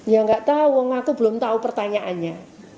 ya nggak tahu aku belum tahu pertanyaannya